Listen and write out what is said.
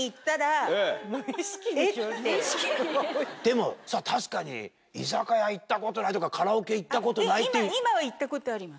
でも確かに居酒屋行ったことないとかカラオケ行ったことないっていう。